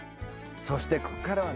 そしてこっからは。